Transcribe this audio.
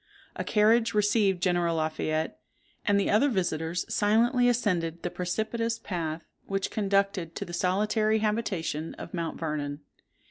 A carriage received General Lafayette; and the other visitors silently ascended the precipitous path which conducted to the solitary habitation of Mount Vernon.